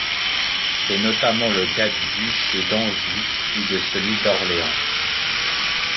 C'est notamment le cas du duché d'Anjou ou de celui d'Orléans.